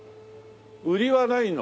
売りはないのかな？